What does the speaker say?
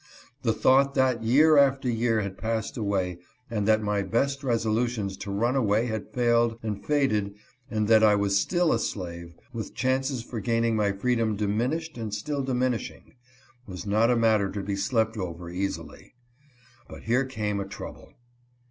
The thought that year after year had passed away, and that my best resolutions to run away had failed and faded and that I was still a slave, with chances for gain ing my freedom diminished and still diminishing — was not a matter to be slept over easily. But here came a trouble.